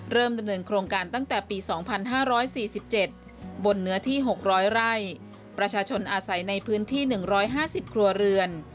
ดำเนินโครงการตั้งแต่ปี๒๕๔๗บนเนื้อที่๖๐๐ไร่ประชาชนอาศัยในพื้นที่๑๕๐ครัวเรือน